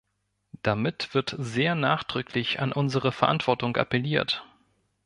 Damit wird sehr nachdrücklich an unsere Verantwortung appelliert.